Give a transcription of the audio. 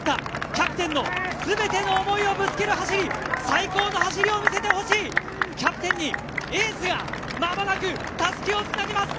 キャプテンの全ての思いをぶつける走り最高の走りを見せてほしいキャプテンに、エースがまもなくたすきをつなぎます！